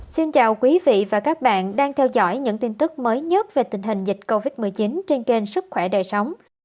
xin chào quý vị và các bạn đang theo dõi những tin tức mới nhất về tình hình dịch covid một mươi chín trên kênh sức khỏe đời sống